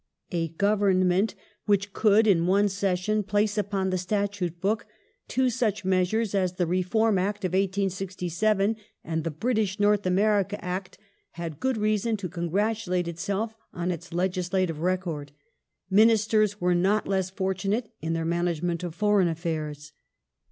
A Government which could in one session place upon the Statute book two such measures as the Reform Act of 1867 and the British North America Act had good reason to congratulate itself on its legislative record. Ministers were not less fortunate in their management of foreign affairs.